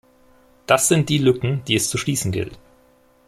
Das sind die Lücken, die es zu schließen gilt.